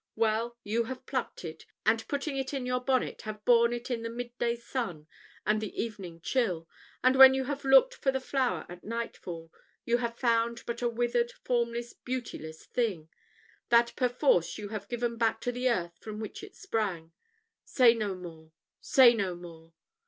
Well, you have plucked it, and putting it in your bonnet, have borne it in the mid day sun and the evening chill; and when you have looked for the flower at nightfall, you have found but a withered, formless, beautiless thing, that perforce you have given back to the earth from which it sprang. Say no more! say no more!